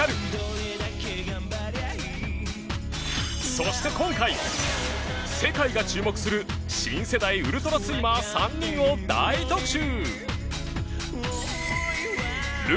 そして今回世界が注目する新世代ウルトラスイマー３人を大特集！